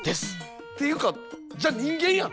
ていうかじゃあ人間やん。